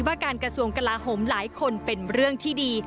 ว่าการกระทรวงกลาโหมหลายคนเป็นเรื่องที่ดี